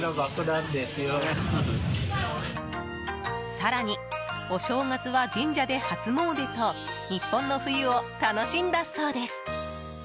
更に、お正月は神社で初詣と日本の冬を楽しんだそうです。